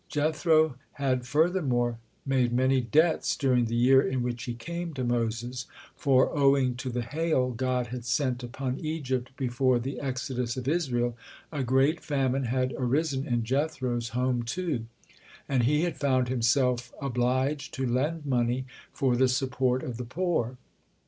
Jethro had furthermore made many debts during the year in which he came to Moses, for, owing to the hail God had sent upon Egypt before the exodus of Israel, a great famine had arisen in Jethro's home too, and he had found himself obliged to lend money for the support of the poor.